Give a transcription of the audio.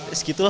ya segitu lah